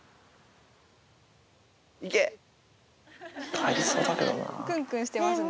入りそうだけどなあ。